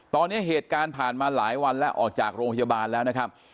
ตอนนี้เหตุการณ์ผ่านมาหลายวันแล้วออกจากโรงพยาบาลแล้วนะครับ